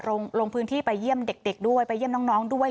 ลงพื้นที่ไปเยี่ยมเด็กด้วยไปเยี่ยมน้องด้วย